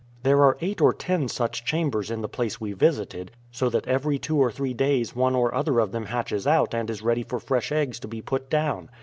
"There are eight or ten such chambers in the place we visited, so that every two or three days one or other of them hatches out and is ready for fresh eggs to be put down.